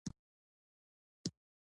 زه د پاکو بالښتونو بوی خوښوم.